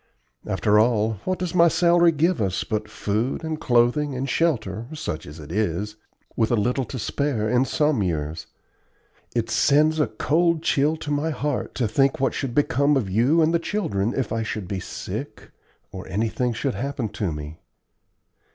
After all, what does my salary give us but food and clothing and shelter, such as it is, with a little to spare in some years? It sends a cold chill to my heart to think what should become of you and the children if I should be sick or anything should happen to me.